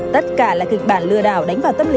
tất cả là kịch bản lừa đảo đánh vào tâm lý